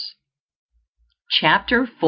CHAPTER IV.